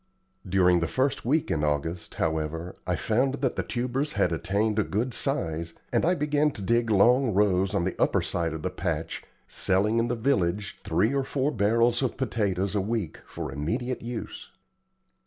During the first week in August, however, I found that the tubers had attained a good size, and I began to dig long rows on the upper side of the patch, selling in the village three or four barrels of potatoes a week for immediate use.